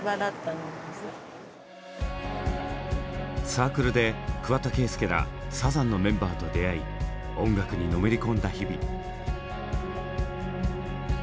サークルで桑田佳祐らサザンのメンバーと出会い音楽にのめり込んだ日々。